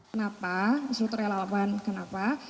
kenapa disuruh relawan kenapa